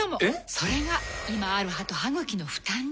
それが今ある歯と歯ぐきの負担に。